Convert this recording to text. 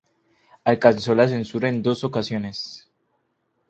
Alcanzó la censura en dos ocasiones.